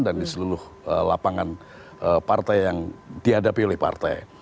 dan di seluruh lapangan partai yang dihadapi oleh partai